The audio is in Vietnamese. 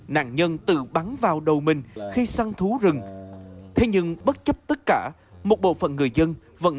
nạn nhân tự bắn vào đầu mình khi săn thú rừng thế nhưng bất chấp tất cả một bộ phận người dân vẫn